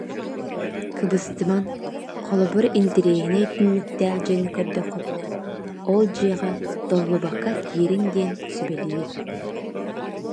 Кыбыстымаҥ, холобур, интэриэһинэй түннүктээх дьиэни көрдөххүтүнэ ол дьиэҕэ толлубакка киириҥ диэн сүбэлиир